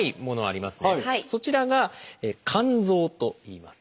そちらが「甘草」といいます。